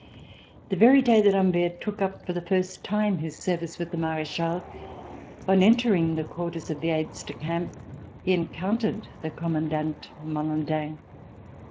The very day that Humbert took up for the first time his service with the Marechal, on entering the quarters of the aides de camp, he encountered the Commandant Malandin.